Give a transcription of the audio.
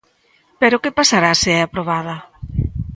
Pero que pasará se é aprobada?